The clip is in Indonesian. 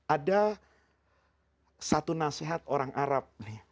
ada satu nasihat orang arab